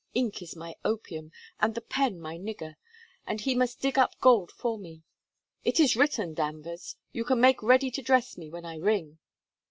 Ink is my opium, and the pen my nigger, and he must dig up gold for me. It is written. Danvers, you can make ready to dress me when I ring.'